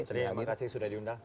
terima kasih sudah diundang